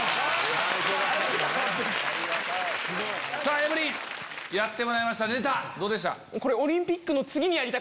エブリンやってもらいましたネタどうでした？